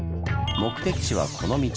目的地はこの道。